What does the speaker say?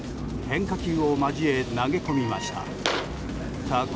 変化球を交え、投げ込みました。